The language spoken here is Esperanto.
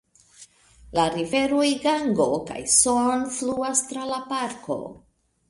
La riveroj Gango kaj Son fluas tra la parko.